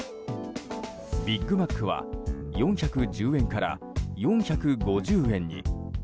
ビッグマックは４１０円から４５０円に。